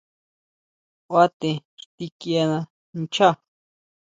Kʼua te xtikiena nchaá.